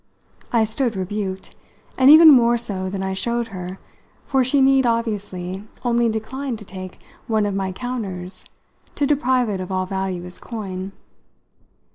I stood rebuked, and even more so than I showed her, for she need, obviously, only decline to take one of my counters to deprive it of all value as coin.